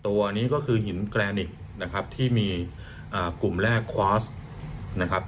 ตัวนี้ก็คือหินแกรนิกนะครับที่มีกลุ่มแรกควาสนะครับ